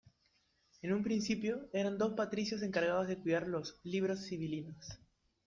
En un principio, eran dos patricios encargados de cuidar los "Libros Sibilinos".